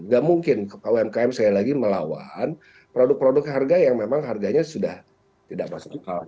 nggak mungkin umkm saya lagi melawan produk produk harga yang memang harganya sudah tidak masuk ke awal tadi